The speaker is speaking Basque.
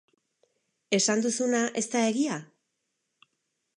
Esan duzuna ez da egia?